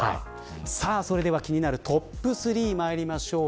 それでは気になるトップ３、まいりましょう。